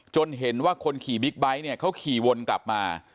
เห็นว่าคนขี่บิ๊กไบท์เนี่ยเขาขี่วนกลับมา